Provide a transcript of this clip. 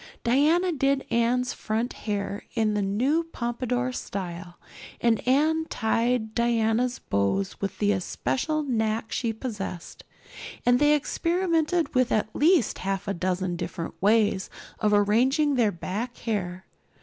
Diana did Anne's front hair in the new pompadour style and Anne tied Diana's bows with the especial knack she possessed; and they experimented with at least half a dozen different ways of arranging their back hair.